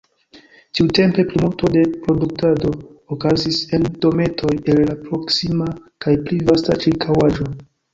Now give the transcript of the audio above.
Tiutempe plimulto de produktado okazis en dometoj el la proksima kaj pli vasta ĉirkaŭaĵo.